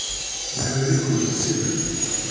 Nḥemmel-iken s tidet.